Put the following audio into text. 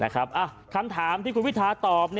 คำถามที่คุณวิทาตอบ